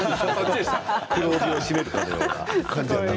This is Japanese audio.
黒帯を締めるかような感じだった。